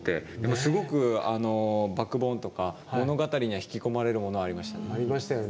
すごくバックボーンとか物語には引き込まれるものがありましたね。